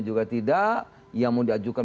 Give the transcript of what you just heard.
juga tidak yang mau diajukan